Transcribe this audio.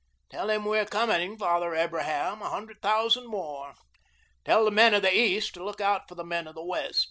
Tell him 'we're coming, Father Abraham, a hundred thousand more.' Tell the men of the East to look out for the men of the West.